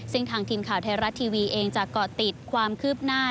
ซึ่งทางทีมข่าวไทยรัฐทีวีเองจะเกาะติดความคืบหน้า